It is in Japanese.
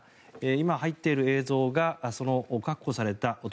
今、入っている映像がその確保された男